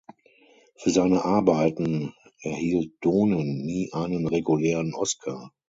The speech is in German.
Für seine Arbeiten erhielt Donen nie einen regulären Oscar.